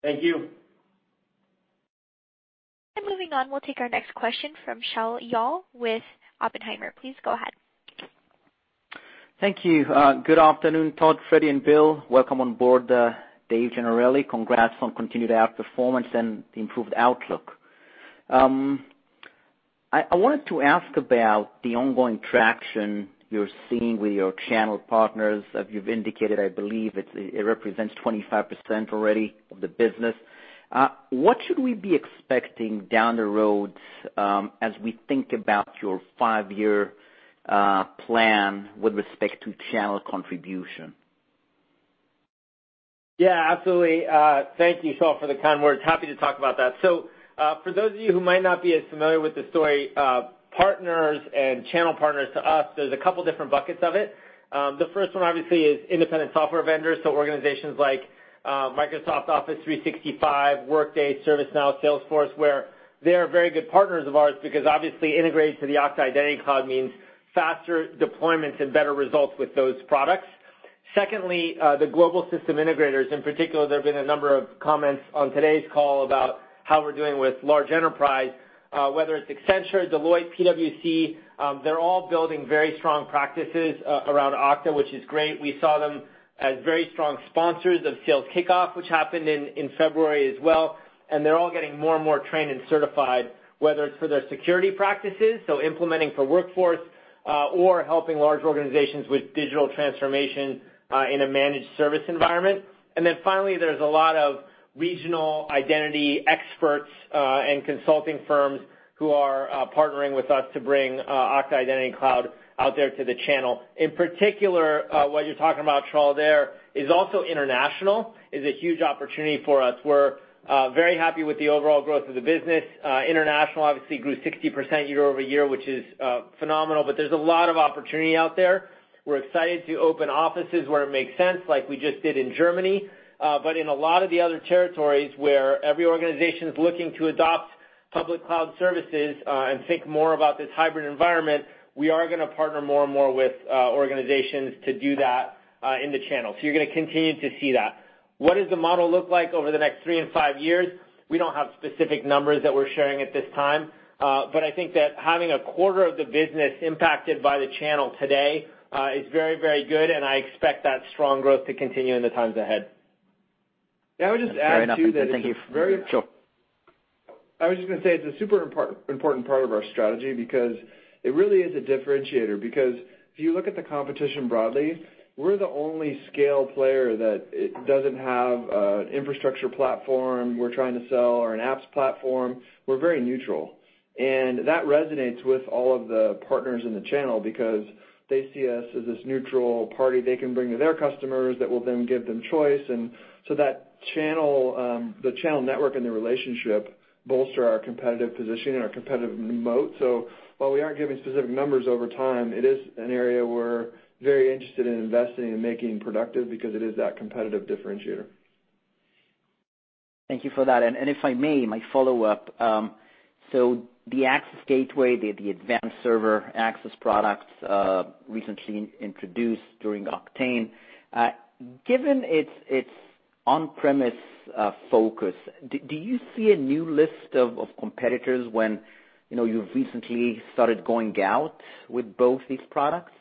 Thank you. Moving on, we'll take our next question from Shaul Eyal with Oppenheimer. Please go ahead. Thank you. Good afternoon, Todd, Freddy, and Bill. Welcome on board, Dave Gennarelli. Congrats on continued outperformance and the improved outlook. I wanted to ask about the ongoing traction you're seeing with your channel partners. You've indicated, I believe, it represents 25% already of the business. What should we be expecting down the road as we think about your five-year plan with respect to channel contribution? Yeah, absolutely. Thank you, Shaul, for the kind words. Happy to talk about that. For those of you who might not be as familiar with the story, partners and channel partners to us, there's a couple of different buckets of it. The first one, obviously, is independent software vendors. Organizations like Microsoft Office 365, Workday, ServiceNow, Salesforce, where they are very good partners of ours because obviously integrating to the Okta Identity Cloud means faster deployments and better results with those products. Secondly, the global system integrators in particular, there have been a number of comments on today's call about how we're doing with large enterprise, whether it's Accenture, Deloitte, PwC, they're all building very strong practices around Okta, which is great. We saw them as very strong sponsors of sales kickoff, which happened in February as well, they're all getting more and more trained and certified, whether it's for their security practices, so implementing for workforce, or helping large organizations with digital transformation in a managed service environment. Finally, there's a lot of regional identity experts and consulting firms who are partnering with us to bring Okta Identity Cloud out there to the channel. In particular, what you're talking about, Shaul, there is also international is a huge opportunity for us. We're very happy with the overall growth of the business. International obviously grew 60% year-over-year, which is phenomenal, there's a lot of opportunity out there. We're excited to open offices where it makes sense, like we just did in Germany. In a lot of the other territories where every organization is looking to adopt public cloud services and think more about this hybrid environment, we are going to partner more and more with organizations to do that in the channel. You're going to continue to see that. What does the model look like over the next three and five years? We don't have specific numbers that we're sharing at this time. I think that having a quarter of the business impacted by the channel today is very, very good, and I expect that strong growth to continue in the times ahead. Yeah, I would just add to that. Fair enough. Okay. Thank you. Sure. I was just going to say it's a super important part of our strategy because it really is a differentiator because if you look at the competition broadly, we're the only scale player that doesn't have an infrastructure platform we're trying to sell or an apps platform. We're very neutral. That resonates with all of the partners in the channel because they see us as this neutral party they can bring to their customers that will then give them choice. The channel network and the relationship bolster our competitive position and our competitive moat. While we aren't giving specific numbers over time, it is an area we're very interested in investing and making productive because it is that competitive differentiator. Thank you for that. If I may, my follow-up. The Okta Access Gateway, the Okta Advanced Server Access products recently introduced during Oktane. Given its on-premise focus, do you see a new list of competitors when you've recently started going out with both these products?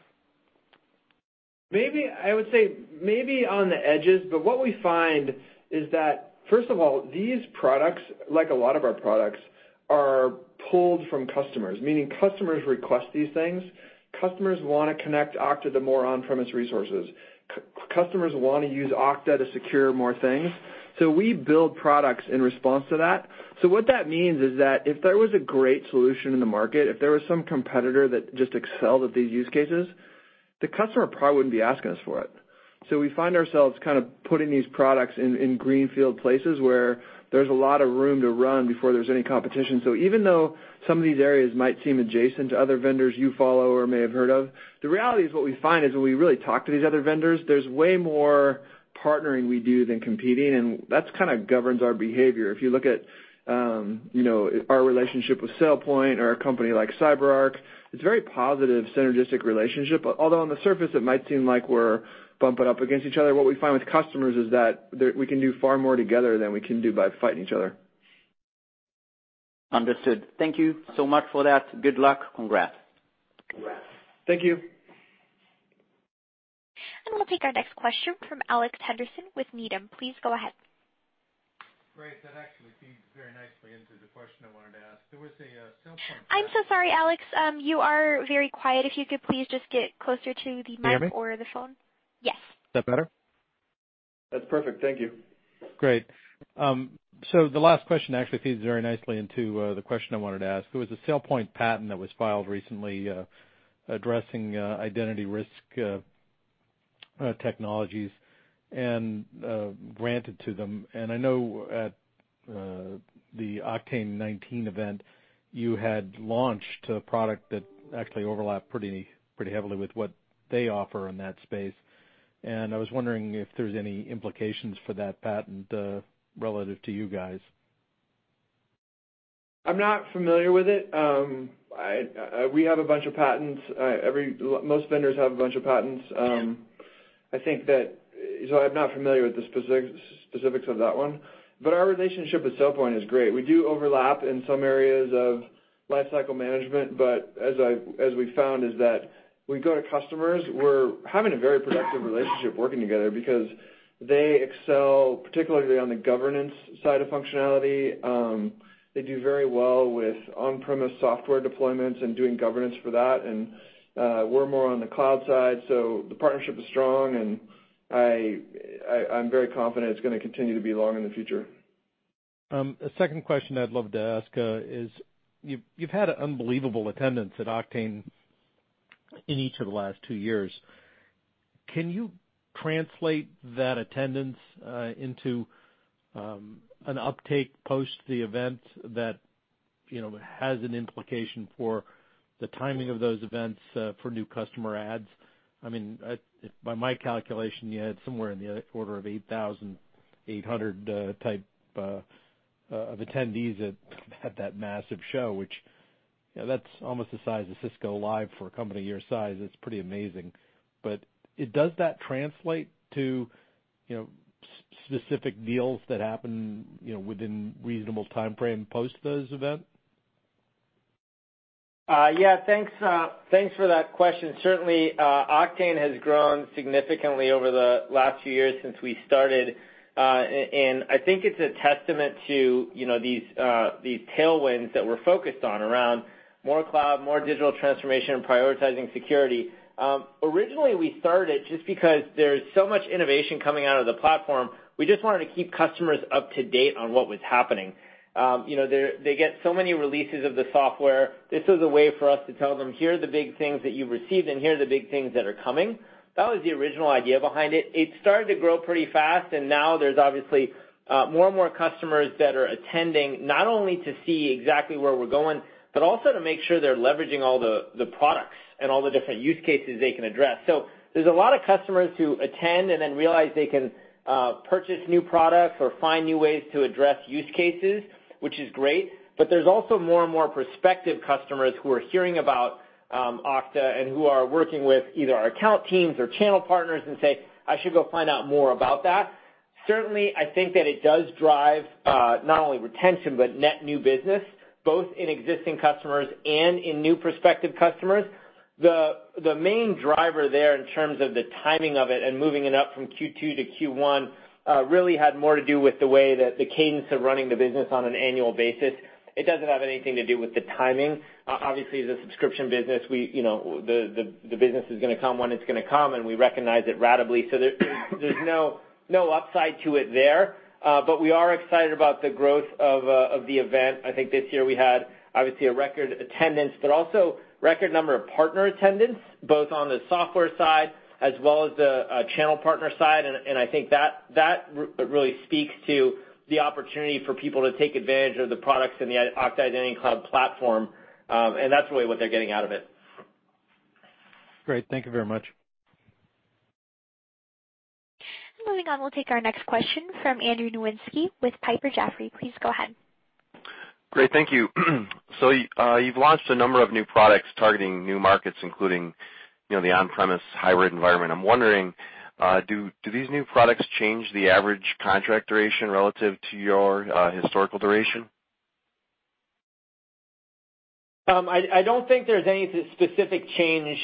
I would say maybe on the edges, what we find is that, first of all, these products, like a lot of our products, are pulled from customers, meaning customers request these things. Customers want to connect Okta to more on-premise resources. Customers want to use Okta to secure more things. We build products in response to that. What that means is that if there was a great solution in the market, if there was some competitor that just excelled at these use cases, the customer probably wouldn't be asking us for it. We find ourselves kind of putting these products in greenfield places where there's a lot of room to run before there's any competition. Even though some of these areas might seem adjacent to other vendors you follow or may have heard of, the reality is what we find is when we really talk to these other vendors, there's way more partnering we do than competing, and that kind of governs our behavior. If you look at our relationship with SailPoint or a company like CyberArk, it's a very positive, synergistic relationship. Although on the surface it might seem like we're bumping up against each other, what we find with customers is that we can do far more together than we can do by fighting each other. Understood. Thank you so much for that. Good luck. Congrats. Thank you. We'll take our next question from Alex Henderson with Needham. Please go ahead. Great. That actually feeds very nicely into the question I wanted to ask. There was a SailPoint. I'm so sorry, Alex. You are very quiet. If you could please just get closer to the mic. Can you hear me? or the phone. Yes. Is that better? That's perfect. Thank you. Great. The last question actually feeds very nicely into the question I wanted to ask. There was a SailPoint patent that was filed recently addressing identity risk technologies and granted to them. I know at the Oktane19 event, you had launched a product that actually overlapped pretty heavily with what they offer in that space. I was wondering if there's any implications for that patent relative to you guys. I'm not familiar with it. We have a bunch of patents. Most vendors have a bunch of patents. I'm not familiar with the specifics of that one. Our relationship with SailPoint is great. We do overlap in some areas of lifecycle management, but as we've found is that we go to customers, we're having a very productive relationship working together because they excel, particularly on the governance side of functionality. They do very well with on-premise software deployments and doing governance for that. We're more on the cloud side. The partnership is strong, and I'm very confident it's going to continue to be long in the future. A second question I'd love to ask is you've had unbelievable attendance at Oktane in each of the last two years. Can you translate that attendance into an uptake post the event that has an implication for the timing of those events for new customer adds? By my calculation, you had somewhere in the order of 8,800 type of attendees at that massive show, which, that's almost the size of Cisco Live for a company your size. It's pretty amazing. Does that translate to specific deals that happen within reasonable timeframe post those event? Yeah. Thanks for that question. Certainly, Oktane has grown significantly over the last few years since we started. I think it's a testament to these tailwinds that we're focused on around more cloud, more digital transformation, and prioritizing security. Originally, we started just because there's so much innovation coming out of the platform, we just wanted to keep customers up to date on what was happening. They get so many releases of the software. This was a way for us to tell them, "Here are the big things that you've received, and here are the big things that are coming." That was the original idea behind it. It started to grow pretty fast, now there's obviously more and more customers that are attending, not only to see exactly where we're going, but also to make sure they're leveraging all the products and all the different use cases they can address. There's a lot of customers who attend and then realize they can purchase new products or find new ways to address use cases, which is great. There's also more and more prospective customers who are hearing about Okta and who are working with either our account teams or channel partners and say, "I should go find out more about that." Certainly, I think that it does drive not only retention, but net new business, both in existing customers and in new prospective customers. The main driver there in terms of the timing of it and moving it up from Q2 to Q1 really had more to do with the way that the cadence of running the business on an annual basis. It doesn't have anything to do with the timing. Obviously, as a subscription business, the business is going to come when it's going to come, and we recognize it ratably. There's no upside to it there. We are excited about the growth of the event. I think this year we had, obviously, a record attendance, but also record number of partner attendance, both on the software side as well as the channel partner side. I think that really speaks to the opportunity for people to take advantage of the products in the Okta Identity Cloud platform. That's really what they're getting out of it. Great. Thank you very much. We'll take our next question from Andrew Nowinski with Piper Jaffray. Please go ahead. Great. Thank you. You've launched a number of new products targeting new markets, including the on-premise hybrid environment. I'm wondering, do these new products change the average contract duration relative to your historical duration? I don't think there's any specific change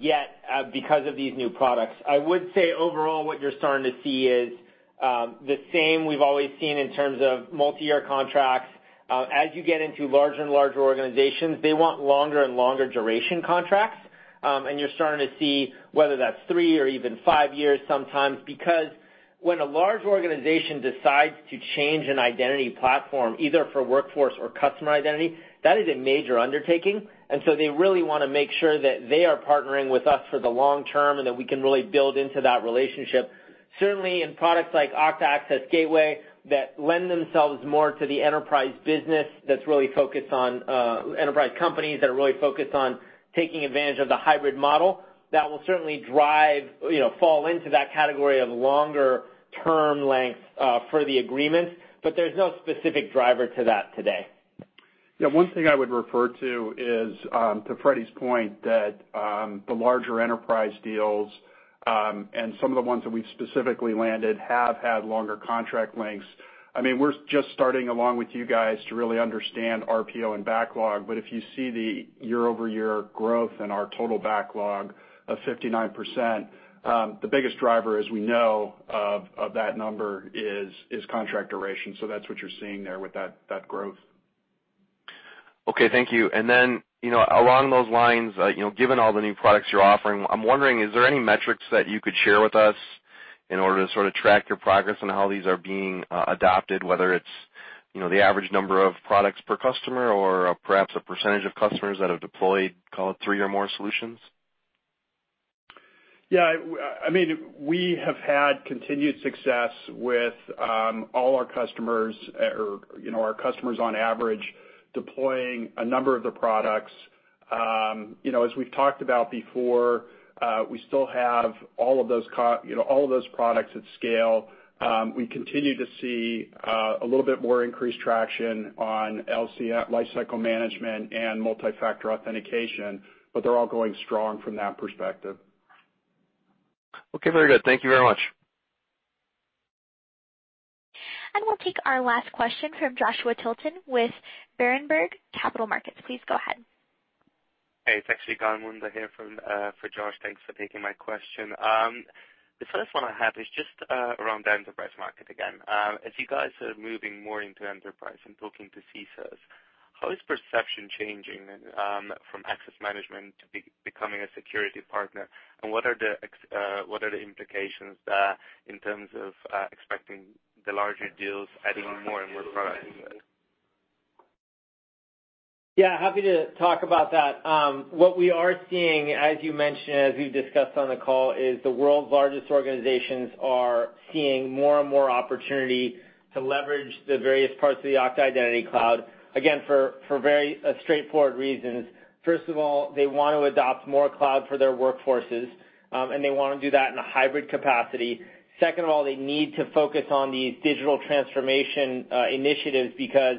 yet because of these new products. I would say overall, what you're starting to see is the same we've always seen in terms of multi-year contracts. As you get into larger and larger organizations, they want longer and longer duration contracts. You're starting to see whether that's three or even five years sometimes, because when a large organization decides to change an identity platform, either for workforce or customer identity, that is a major undertaking. They really want to make sure that they are partnering with us for the long term, and that we can really build into that relationship. Certainly, in products like Okta Access Gateway, that lend themselves more to the enterprise business that's really focused on enterprise companies, that are really focused on taking advantage of the hybrid model, that will certainly drive, fall into that category of longer term length for the agreements. There's no specific driver to that today. Yeah. One thing I would refer to is, to Frederic's point, that the larger enterprise deals, and some of the ones that we've specifically landed have had longer contract lengths. We're just starting along with you guys to really understand RPO and backlog, but if you see the year-over-year growth in our total backlog of 59%, the biggest driver as we know of that number is contract duration. That's what you're seeing there with that growth. Okay, thank you. Then, along those lines, given all the new products you're offering, I'm wondering, is there any metrics that you could share with us in order to sort of track your progress on how these are being adopted, whether it's the average number of products per customer or perhaps a % of customers that have deployed, call it three or more solutions? Yeah. We have had continued success with all our customers or our customers on average deploying a number of the products. As we've talked about before, we still have all of those products at scale. We continue to see a little bit more increased traction on LCM, Lifecycle Management, and multi-factor authentication. They're all going strong from that perspective. Okay, very good. Thank you very much. We'll take our last question from Joshua Tilton with Berenberg Capital Markets. Please go ahead. Hey, it's actually Gal Munda here for Josh. Thanks for taking my question. The first one I have is just around the enterprise market again. As you guys are moving more into enterprise and talking to CISOs, how is perception changing from access management to becoming a security partner? What are the implications there in terms of expecting the larger deals adding more and more products? Yeah, happy to talk about that. What we are seeing, as you mentioned, as we've discussed on the call, is the world's largest organizations are seeing more and more opportunity to leverage the various parts of the Okta Identity Cloud, again, for very straightforward reasons. First of all, they want to adopt more cloud for their workforces, and they want to do that in a hybrid capacity. Second of all, they need to focus on these digital transformation initiatives because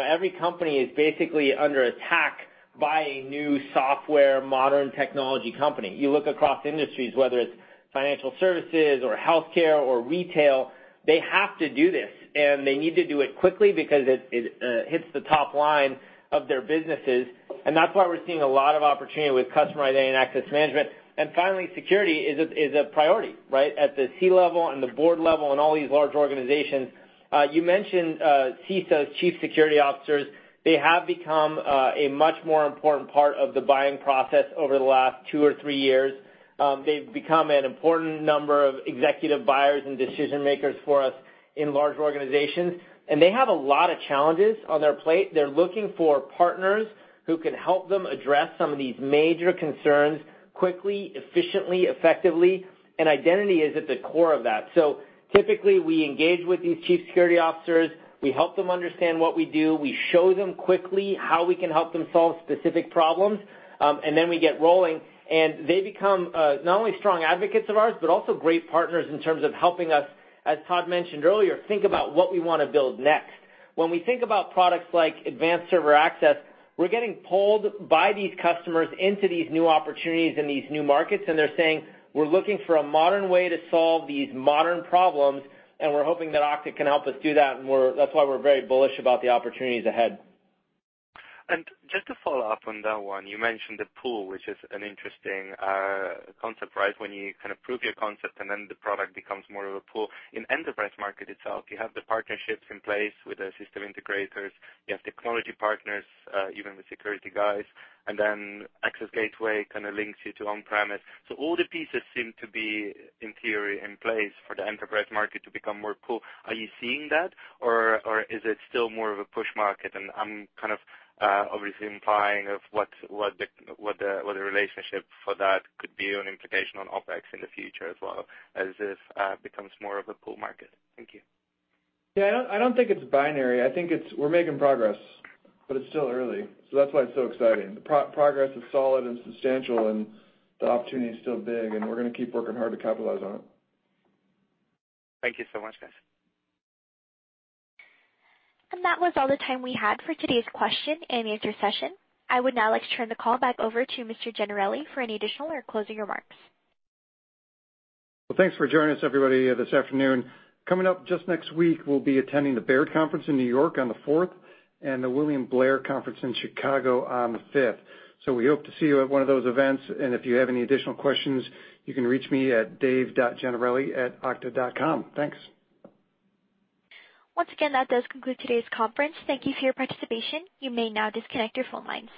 every company is basically under attack by a new software modern technology company. You look across industries, whether it's financial services or healthcare or retail, they have to do this, and they need to do it quickly because it hits the top line of their businesses. That's why we're seeing a lot of opportunity with customer identity and access management. Finally, security is a priority, right? At the C-level and the board level and all these large organizations. You mentioned CISOs, chief security officers, they have become a much more important part of the buying process over the last two or three years. They've become an important number of executive buyers and decision-makers for us in large organizations. They have a lot of challenges on their plate. They're looking for partners who can help them address some of these major concerns quickly, efficiently, effectively, and identity is at the core of that. Typically, we engage with these chief security officers. We help them understand what we do. We show them quickly how we can help them solve specific problems, and then we get rolling, and they become, not only strong advocates of ours, but also great partners in terms of helping us, as Todd mentioned earlier, think about what we want to build next. When we think about products like Advanced Server Access, we're getting pulled by these customers into these new opportunities in these new markets, and they're saying, "We're looking for a modern way to solve these modern problems, and we're hoping that Okta can help us do that." That's why we're very bullish about the opportunities ahead. Just to follow up on that one, you mentioned the pull, which is an interesting concept, right? When you kind of prove your concept, and then the product becomes more of a pull. In enterprise market itself, you have the partnerships in place with the system integrators. You have technology partners, even with security guys, and then Access Gateway kind of links you to on-premise. All the pieces seem to be, in theory, in place for the enterprise market to become more pull. Are you seeing that, or is it still more of a push market? I'm kind of obviously implying of what the relationship for that could be or an implication on OpEx in the future as well, as this becomes more of a pull market. Thank you. Yeah, I don't think it's binary. I think we're making progress, but it's still early. That's why it's so exciting. The progress is solid and substantial, and the opportunity is still big, and we're going to keep working hard to capitalize on it. Thank you so much, guys. That was all the time we had for today's question and answer session. I would now like to turn the call back over to Mr. Gennarelli for any additional or closing remarks. Well, thanks for joining us, everybody, this afternoon. Coming up just next week, we will be attending the Baird Conference in New York on the fourth and the William Blair Conference in Chicago on the fifth. We hope to see you at one of those events, and if you have any additional questions, you can reach me at dave.gennarelli@okta.com. Thanks. Once again, that does conclude today's conference. Thank you for your participation. You may now disconnect your phone lines.